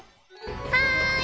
はい！